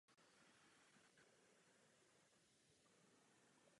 Její manžel tam byl pohřben také.